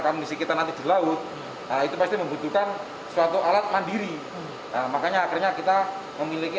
kondisi kita nanti di laut itu pasti membutuhkan suatu alat mandiri makanya akhirnya kita memiliki